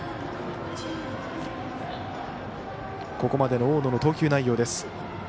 ここまでの大野の投球内容です。